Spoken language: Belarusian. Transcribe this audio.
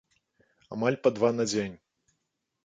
Амаль па два на дзень.